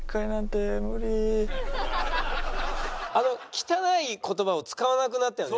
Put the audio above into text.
汚い言葉を使わなくなったよね。